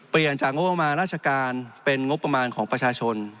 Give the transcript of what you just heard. จากงบประมาณราชการเป็นงบประมาณของประชาชน